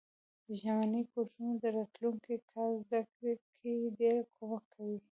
ژمني کورسونه د راتلونکي کال زده کړو کی ډیر کومک کوي.